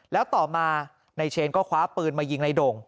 แล้วต่อมานายเชนก็คว้าปืนมายิงในโด่ง